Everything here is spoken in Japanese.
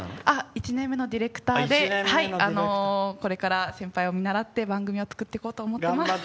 １年目のディレクターでこれから、先輩を見習って番組を作っていこうと思ってます。